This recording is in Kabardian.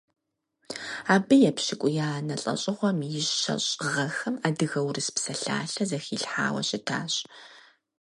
Абы епщыкӀуиянэ лӀэщӀыгъуэм и щэщӀ гъэхэм «Адыгэ-урыс псалъалъэ» зэхилъхьауэ щытащ.